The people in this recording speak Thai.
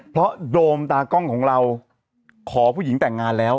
เพราะโดมตากล้องของเราขอผู้หญิงแต่งงานแล้ว